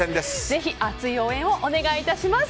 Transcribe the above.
ぜひ、熱い応援をお願いします。